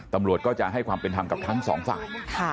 ตำรวจก็จะให้ความเป็นธรรมกับทั้งสองฝ่าย